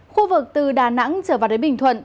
khu vực từ đà nẵng trở vào đến bình thuận